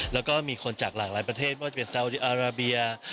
และมีคนจากหลานประเทศมายกาวจะเป็นแซาอุดีอาราเบีย